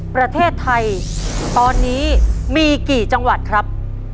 ประเทศไทยตอนนี้มีกี่จังหวัดครับ